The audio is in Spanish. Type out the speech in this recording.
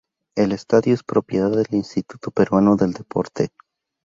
El estadio es propiedad del Instituto Peruano del Deporte.